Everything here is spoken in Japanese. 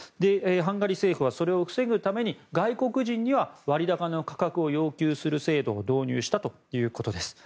ハンガリー政府はそれを防ぐために、外国人には割高な価格を要求する制度を導入したということです。